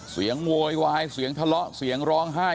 โวยวายเสียงทะเลาะเสียงร้องไห้